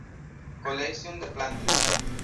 Collection de plantes.